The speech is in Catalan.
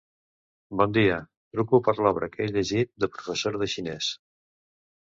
Bon dia, truco per l'obra que he llegit de professora de xinès.